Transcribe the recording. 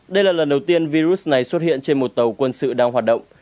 đây là lần đầu tiên virus này xuất hiện trên một tàu quân sự đang hoạt động